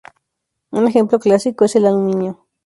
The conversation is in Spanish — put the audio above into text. Un ejemplo clásico es el aluminio.